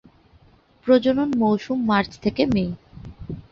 প্রজনন মৌসুম মার্চ থেকে মে।